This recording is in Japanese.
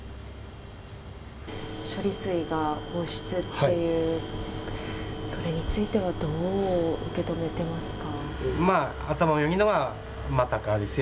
処理水が放出っていう、それについてはどう受け止めてますか。